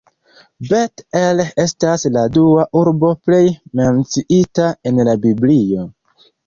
Bet-El estas la dua urbo plej menciita en la Biblio.